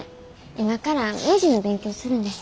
今からねじの勉強するんです。